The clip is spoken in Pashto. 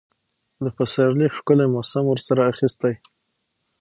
د پسرلي ښکلي موسم ورسره اخیستی.